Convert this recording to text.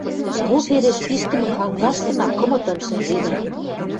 Буфереш пиштӹмӹ хангаштына кымытын шӹнзенӓ.